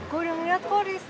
gue udah ngeliat koris